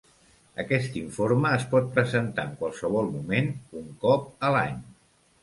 Aquest informe es pot presentar en qualsevol moment, un cop a l'any.